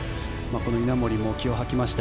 稲森も気を吐きました。